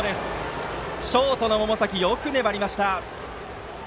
ショートの百崎、よく粘りました。